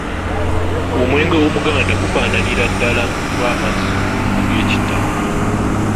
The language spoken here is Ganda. Omwenge Omuganda gufaananira dala ng’amazzi ag’ekitaba.